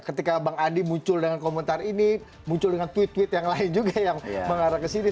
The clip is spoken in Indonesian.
ketika bang adi muncul dengan komentar ini muncul dengan tweet tweet yang lain juga yang mengarah ke sini